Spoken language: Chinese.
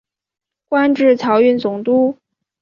官至漕运总督。